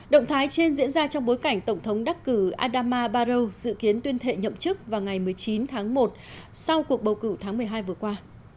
động thái trên diễn ra trong bối cảnh tổng thống đắc cử adama baro dự kiến tuyên thệ nhậm chức vào ngày một mươi chín tháng một sau cuộc bầu cử tháng một mươi hai vừa qua